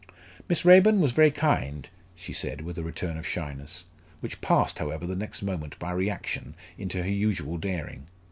"Miss Raeburn was very kind," she said, with a return of shyness, which passed however the next moment by reaction, into her usual daring.